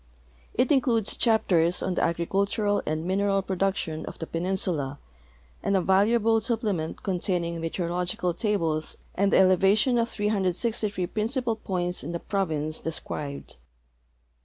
It in cludes chaptei*s on the agricultural and mineral production of the penin sula, and a valuable siqiplement containing meteorological tables and the elevation of 363 principal points in the province described.